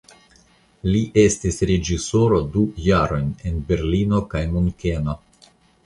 Li estis reĝisoro du jarojn en Berlino kaj Munkeno.